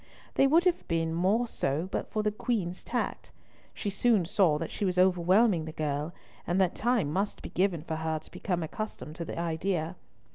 They would have been more so but for the Queen's tact. She soon saw that she was overwhelming the girl, and that time must be given for her to become accustomed to the idea.